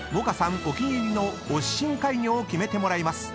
お気に入りの推し深海魚を決めてもらいます］